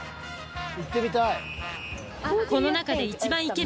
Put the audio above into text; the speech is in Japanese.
行ってみたい。